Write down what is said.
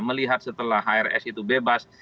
melihat setelah hrs itu bebas